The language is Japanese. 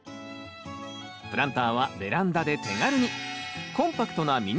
プランターはベランダで手軽に！